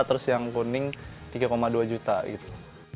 terus yang kuning tiga dua juta gitu